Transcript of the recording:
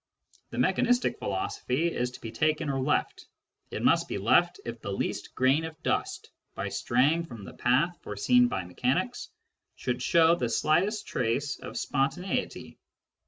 The mechanistic philosophy is to be taken or left : it must be left if the least grain of dust, by straying from the path foreseen by mechanics, should show the slightest trace of spontaneity.